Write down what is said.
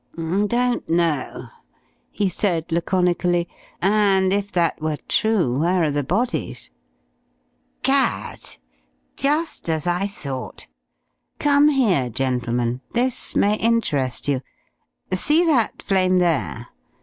"Don't know," he said laconically, "and if that were true, where are the bodies?... Gad! Just as I thought! Come here, gentlemen, this may interest you. See that flame there!